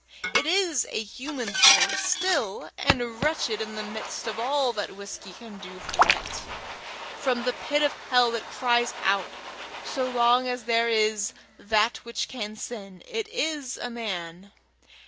It is a human soul still, and wretched in the midst of all that whisky can do for it. From the pit of hell it cries out. So long as there is that which can sin, it is a man.